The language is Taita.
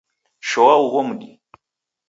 Shoa ugho mdi